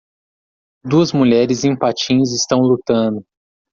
Duas mulheres em patins estão lutando.